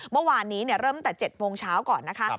เมื่อวานนี้เริ่มตั้งแต่๗โมงเช้าก่อนนะคะ